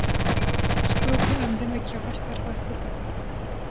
Ji bo ku em demeke xweş derbas bikin.